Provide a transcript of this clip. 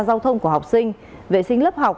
giao thông của học sinh vệ sinh lớp học